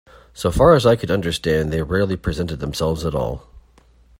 So far as I could understand, they rarely presented themselves at all.